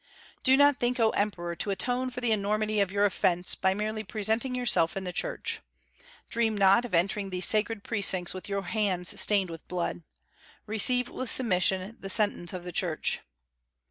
"Do not think, O Emperor, to atone for the enormity of your offence by merely presenting yourself in the church. Dream not of entering these sacred precincts with your hands stained with blood. Receive with submission the sentence of the Church."